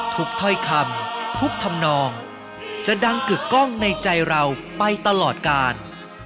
ถ้อยคำทุกธรรมนองจะดังกึกกล้องในใจเราไปตลอดกาล